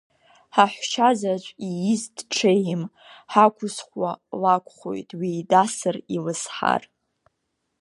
Ҳаҳәшьа заҵә ииз дҽеим, ҳақәызхуа лакәхоит дҩеидасыр илызҳар.